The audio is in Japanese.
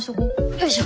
よいしょ。